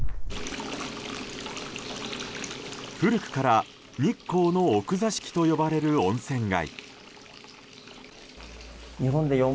古くから日光の奥座敷と呼ばれる温泉街。